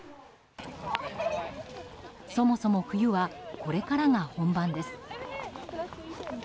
そもそも冬はこれからが本番です。